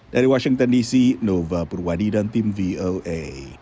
dari washington dc nova purwadi dan tim voa